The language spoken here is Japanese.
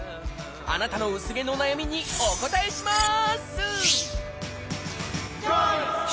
あなたの薄毛の悩みにお答えします！